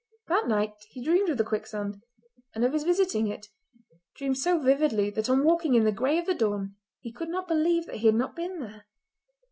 That night he dreamed of the quicksand, and of his visiting it—dreamed so vividly that on walking in the grey of the dawn he could not believe that he had not been there.